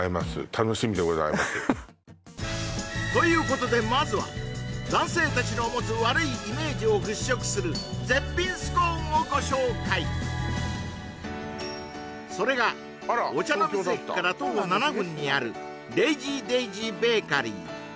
楽しみでございますということでまずは男性たちの持つ悪いイメージを払拭する絶品スコーンをご紹介それが御茶ノ水駅から徒歩７分にあるＬａｚｙＤａｉｓｙＢａｋｅｒｙ